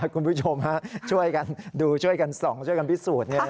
คุณผู้ชมช่วยกันดูช่วยกันส่องช่วยกันพิสูจน์